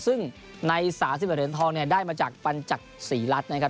ซึ่งใน๓๑เหรียญทองได้มาจากปันจักรศรีรัตน์นะครับ